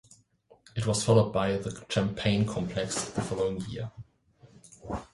It was followed by "The Champagne Complex" the following year.